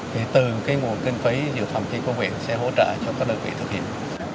thì từ cái nguồn kinh phí dự thẩm khi công viện sẽ hỗ trợ cho các đơn vị thực hiện